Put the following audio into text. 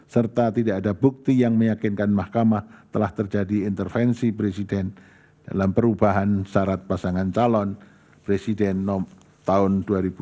serta tidak ada bukti yang meyakinkan mahkamah telah terjadi intervensi presiden dalam perubahan syarat pasangan calon presiden tahun dua ribu dua puluh